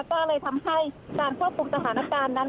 ก็เลยทำให้การควบคุมสถานการณ์นั้น